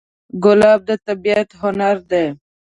ګلاب د طبیعت هنر دی.